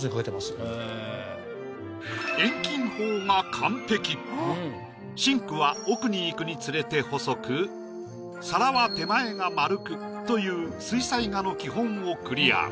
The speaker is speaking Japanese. だんだんシンクは奥に行くにつれて細く皿は手前が円くという水彩画の基本をクリア。